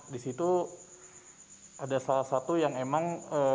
disitu ada salah satu yang emang